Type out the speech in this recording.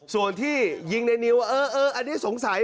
ส่วนที่ยิงในนิวว่าเอออันนี้สงสัย